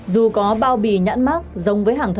dù có bao bì nhãn mát giống với hàng